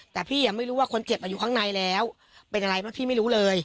แต่พี่ไม่รู้ว่าคนเจ็บอยู่ข้างในแล้วเป็นอะไรไหมพี่ไม่รู้เลย